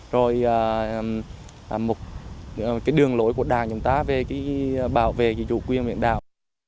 rồi một cái đường lối của đảng chúng ta về bảo vệ chủ quyền biển đảo